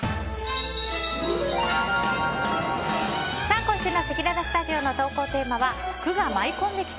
今週のせきららスタジオの投稿テーマは福が舞い込んできた！